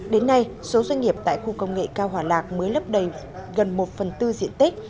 đến nay số doanh nghiệp tại khu công nghệ cao hòa lạc mới lấp đầy gần một phần tư diện tích